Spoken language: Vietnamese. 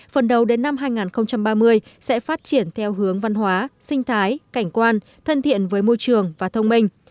phần đầu đến năm hai nghìn ba mươi sẽ phát triển theo hướng văn hóa sinh thái cảnh quan thân thiện với môi trường và thông minh